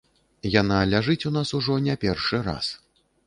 Яна ляжыць у нас ужо не першы раз.